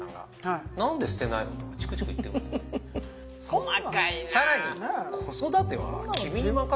細かいな。